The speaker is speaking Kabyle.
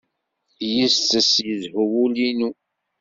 Yis-s yezhu wul-inu.